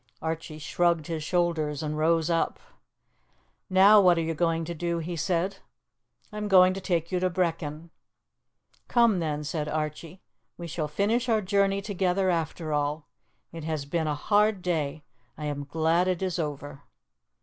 Archie shrugged his shoulders and rose up. "Now, what are you going to do?" he said. "I am going to take you to Brechin." "Come, then," said Archie, "we shall finish our journey together after all. It has been a hard day. I am glad it is over."